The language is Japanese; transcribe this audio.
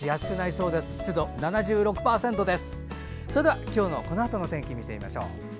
それでは、今日のこのあとの天気見てみましょう。